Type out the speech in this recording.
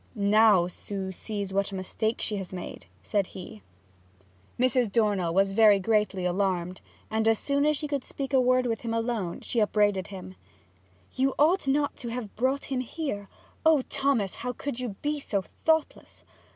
'Now Sue sees what a mistake she has made!' said he. Mrs. Dornell was verily greatly alarmed, and as soon as she could speak a word with him alone she upbraided him. 'You ought not to have brought him here. Oh Thomas, how could you be so thoughtless!